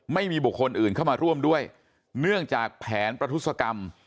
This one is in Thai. ไม่มีบุคคลอื่นเข้ามาร่วมด้วยเนื่องจากแผนประทุศกรรม